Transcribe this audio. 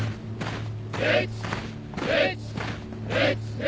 １１１・２！